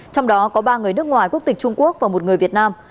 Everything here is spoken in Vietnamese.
trong đó có ba người nước ngoài quốc tịch trung quốc và một người việt nam